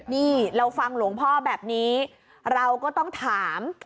นี่เราฟังหลวงพ่อแบบนี้เราก็ต้องถาม